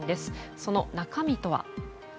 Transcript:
その中身とは。